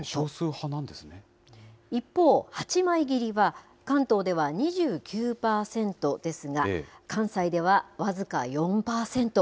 一方、８枚切りは、関東では２９％ですが、関西では僅か４％。